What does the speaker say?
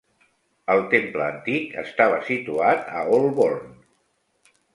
El "Temple Antic" estava situat a Holborn.